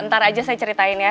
ntar aja saya ceritain ya